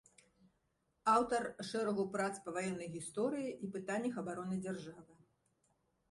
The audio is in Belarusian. Аўтар шэрагу прац па ваеннай гісторыі і пытаннях абароны дзяржавы.